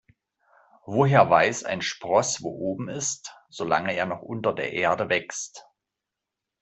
Woher weiß ein Spross, wo oben ist, solange er noch unter der Erde wächst?